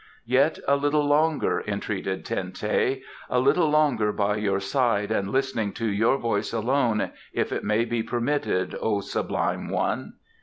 "Yet a little longer," entreated Ten teh. "A little longer by your side and listening to your voice alone, if it may be permitted, O sublime one."